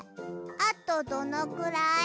あとどのくらい？